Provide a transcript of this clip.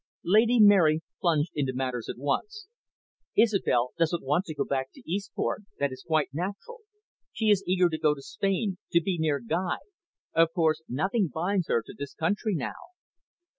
Lady Mary plunged into matters at once. "Isobel doesn't want to go back to Eastbourne that is quite natural. She is eager to go to Spain, to be near Guy. Of course nothing binds her to this country now."